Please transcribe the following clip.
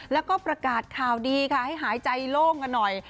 แล้วก็ประกาศข่าวดีค่ะให้หายใจโล่งกันหน่อย